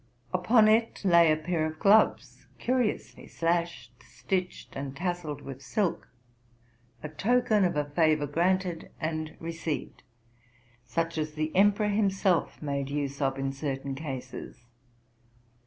Upon it lay a pair of gloves, curiously slashed, stitched, and tasselled with silk, —a token of a fayor granted and received, —such as the emperor himself made use of in certain cases.